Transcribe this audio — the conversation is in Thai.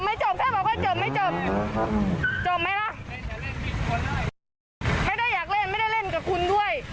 จบแค่บอกว่าจบไม่จบจบไหมล่ะไม่ได้อยากเล่นไม่ได้เล่นกับคุณด้วย